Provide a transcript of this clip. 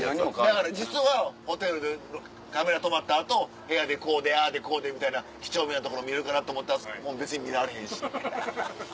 だから実はホテルでカメラ止まった後部屋でああでこうでみたいなきちょうめんなところ見れるかなと思ったら別に見られへんしハハハ。